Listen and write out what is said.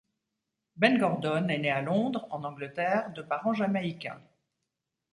Ben Gordon est né à Londres, en Angleterre, de parents Jamaïcains.